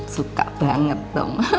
suka banget dong